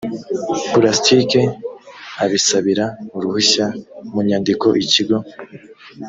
pulasitiki abisabira uruhushya mu nyandiko ikigo